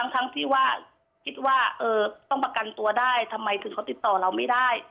ทั้งที่ว่าคิดว่าต้องประกันตัวได้ทำไมถึงเขาติดต่อเราไม่ได้